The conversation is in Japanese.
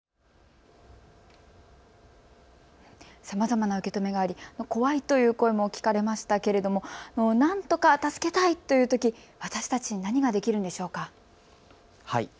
さまざまな受け止めがあり怖いという声も聞かれましたけれども、なんとか助けたいというとき、私たちに何ができるんでしょうか。